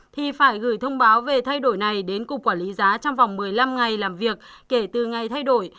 thì phải gửi thông báo về thay đổi này đến cục quản lý giá trong vòng một mươi năm ngày làm việc kể từ ngày thay đổi